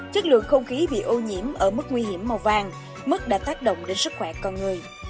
chất lượng không khí bị ô nhiễm ở mức nguy hiểm màu vàng mức đã tác động đến sức khỏe con người